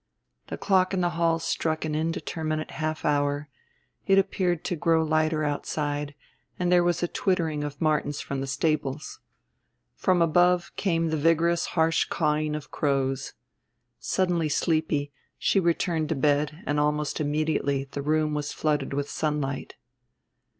... The clock in the hall struck an indeterminate half hour, it appeared to grow lighter outside, and there was a twittering of martins from the stables. From above came the vigorous harsh cawing of crows. Suddenly sleepy she returned to bed and almost immediately the room was flooded with sunlight.